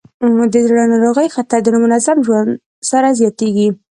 د زړه ناروغیو خطر د نامنظم ژوند سره زیاتېږي.